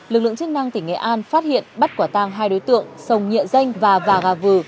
lực lượng chức năng tỉnh nghệ an phát hiện bắt quả tang hai đối tượng sông nhịa danh và và gà vừ